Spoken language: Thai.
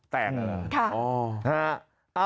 แตกแล้วหรือค่ะอ๋ออ๋ออ๋ออ๋อ